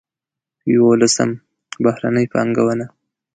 یولسم: بهرنۍ پانګونه.